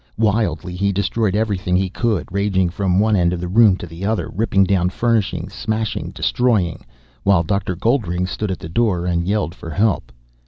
Wildly he destroyed everything he could, raging from one end of the room to the other, ripping down furnishings, smashing, destroying, while Dr. Goldring stood at the door and yelled for help.